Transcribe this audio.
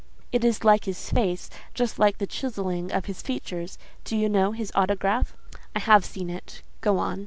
It is like his face—just like the chiselling of his features: do you know his autograph?" "I have seen it: go on."